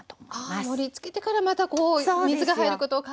ああ盛りつけてからまたこう熱が入ることを考えて。